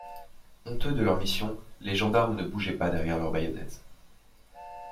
Honteux de leur mission, les gendarmes ne bougeaient pas derrière leurs baïonnettes.